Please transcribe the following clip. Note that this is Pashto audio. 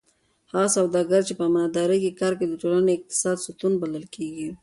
هغه سوداګر چې په امانتدارۍ کار کوي د ټولنې د اقتصاد ستون بلل کېږي.